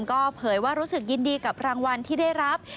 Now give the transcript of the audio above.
ก็เผยว่ารู้สึกยินดีกับรางวัลที่ได้รับ